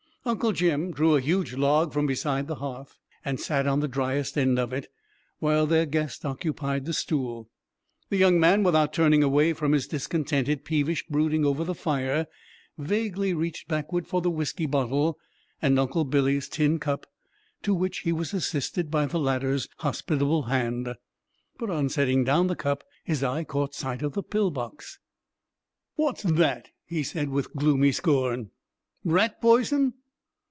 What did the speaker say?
Uncle Jim drew a huge log from beside the hearth and sat on the driest end of it, while their guest occupied the stool. The young man, without turning away from his discontented, peevish brooding over the fire, vaguely reached backward for the whiskey bottle and Uncle Billy's tin cup, to which he was assisted by the latter's hospitable hand. But on setting down the cup his eye caught sight of the pill box. "Wot's that?" he said, with gloomy scorn. "Rat poison?"